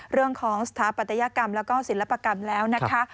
เรื่องของสถาปัตยกรรมแล้วก็ศิลปกรรมแล้วนะคะ